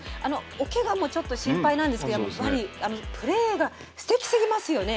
おけがもちょっと心配なんですけどやっぱりプレーがすてきすぎますよね。